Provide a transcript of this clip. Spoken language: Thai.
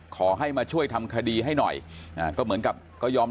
ขอให้มาช่วยทำคดีให้หน่อย